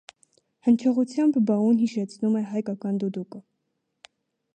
Հնչողությամբ բաուն հիշեցնում է հայկական դուդուկը։